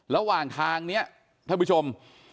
ระหว่างทางนี้ท่านผู้ชม